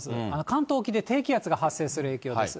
関東沖で低気圧が発生する影響です。